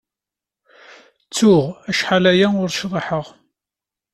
Tuɣ acḥal-aya ur cḍiḥeɣ.